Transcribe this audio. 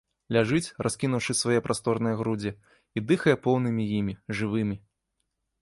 Ляжыць, раскінуўшы свае прасторныя грудзі, і дыхае поўнымі імі, жывымі.